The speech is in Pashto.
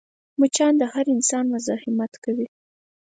مچان د هر انسان مزاحمت کوي